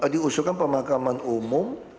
diusukan pemakaman umum